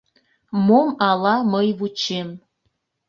МОМ АЛА МЫЙ ВУЧЕМ...